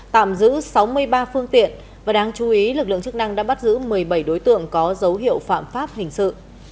tạm giữ sáu mươi ba phương tiện và đáng chú ý lực lượng chức năng đã bắt giữ một mươi bảy đối tượng có dấu hiệu phạm pháp hình sự